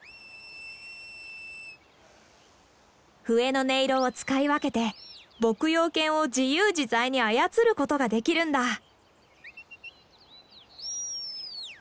笛の音色を使い分けて牧羊犬を自由自在に操ることができるんだ。